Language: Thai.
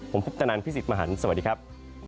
ผมพุฟธนันทร์พิสิทธิ์มหันทร์สวัสดีครับ